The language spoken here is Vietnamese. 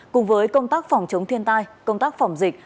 cùng với công tác phòng chống thiên tai công tác phòng dịch